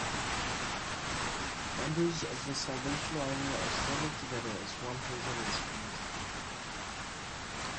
Members of the Salvation Army are standing together as one holds an instrument.